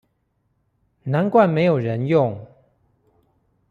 難怪沒有人用